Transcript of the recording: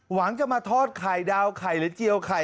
หวังจะมาทอดไข่ดาวไข่หรือเจียวไข่